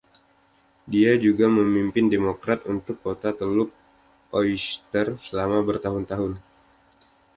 Dia juga Pemimpin Demokrat untuk Kota Teluk Oyster selama bertahun-tahun.